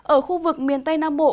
ở khu vực miền tây nam bộ